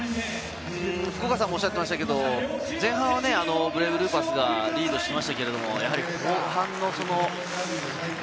福岡さんもおっしゃってましたけど、前半はブレイブルーパスがリードしましたけれども、やはり後半の。